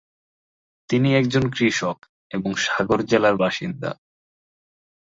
তিনি একজন কৃষক এবং সাগর জেলার বাসিন্দা।